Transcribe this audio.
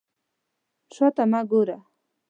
شا ته مه ګوره.